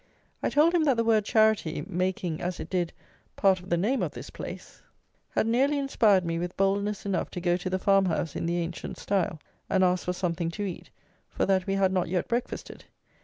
I told him that the word charity, making, as it did, part of the name of this place, had nearly inspired me with boldness enough to go to the farmhouse, in the ancient style, and ask for something to eat, for that we had not yet breakfasted.